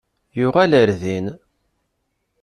Yuɣal ar din.